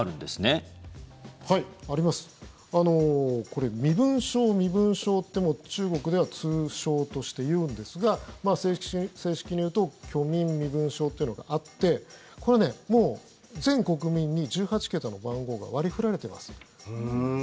これ、身分証、身分証って中国では通称として言うんですが正式に言うと居民身分証というのがあってこれ、もう全国民に１８桁の番号が割り振られてます。